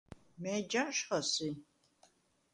მა̈ჲ ჯაჟხა სი?